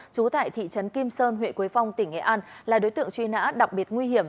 trú tại thị trấn kim sơn huyện quế phong tỉnh nghệ an là đối tượng truy nã đặc biệt nguy hiểm